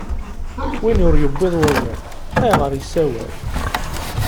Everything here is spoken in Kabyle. Win ur iwwiḍ wawal, ayɣeṛ issawal ?